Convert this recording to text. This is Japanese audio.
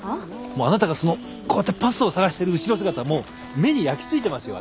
もうあなたがそのこうやってパスを捜してる後ろ姿もう目に焼き付いてますよ